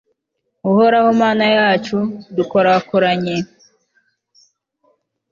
uhoraho, mana yacu, dukorakoranye